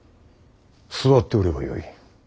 座っておればよい。